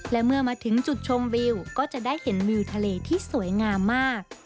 และเมื่อมาถึงจุดชมวิวก็จะได้เห็นวิวทะเลที่สวยงามมาก